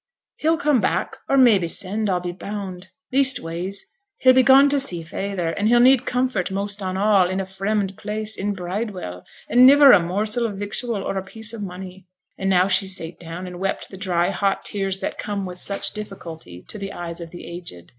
'He'll come back, or mebbe send, I'll be bound. Leastways he'll be gone to see feyther, and he'll need comfort most on all, in a fremd place in Bridewell and niver a morsel of victual or a piece o' money.' And now she sate down, and wept the dry hot tears that come with such difficulty to the eyes of the aged.